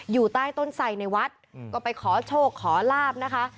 อยู่ใต้ต้นไสในวัดก็ไปขอโชคขอลาบนะคะ